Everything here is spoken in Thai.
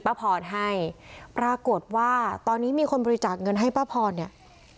พรให้ปรากฏว่าตอนนี้มีคนบริจาคเงินให้ป้าพรเนี่ย